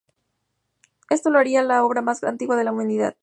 Esto lo haría la obra más antigua de la Humanidad.